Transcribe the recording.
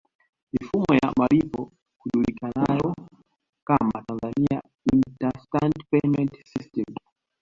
Mifumo ya malipo hujulikanao kama Tanzania Instant Payment System